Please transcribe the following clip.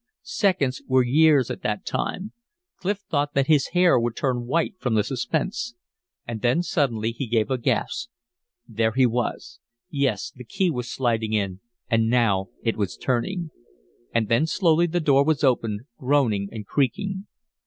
Seconds were years at that time. Clif thought that his hair would turn white from the suspense. And then suddenly he gave a gasp. There he was! Yes, the key was sliding in. And now it was turning! And then slowly the door was opened groaning and creaking.